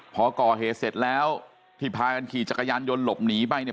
พอก่อเหตุเสร็จแล้วที่พากันขี่จักรยานยนต์หลบหนีไปเนี่ย